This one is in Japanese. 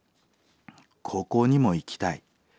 高校にも行きたい。